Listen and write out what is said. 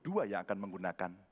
ada dua puluh dua yang akan menggunakan